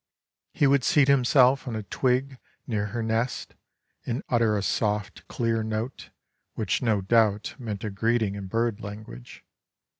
He would seat himself on a twig near her nest and utter a soft, clear note, which no doubt meant a greeting in bird language.